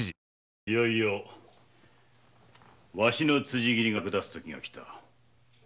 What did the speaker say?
いよいよワシの辻斬りが役立つ時が来た。